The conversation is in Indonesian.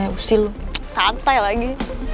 usih lo santai lagi